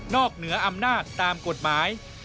เหนืออำนาจตามกฎหมาย